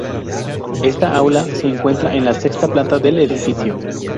Esta aula se encuentra en la sexta planta del edificio.